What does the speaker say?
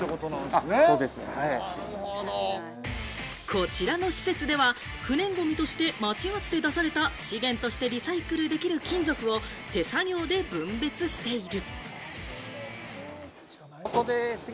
こちらの施設では不燃ごみとして間違って出された、資源としてリサイクルできる金属を手作業で分別している。